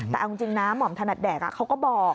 แต่เอาจริงนะหม่อมถนัดแดกเขาก็บอก